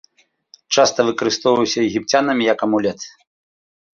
Часта выкарыстоўваўся егіпцянамі як амулет.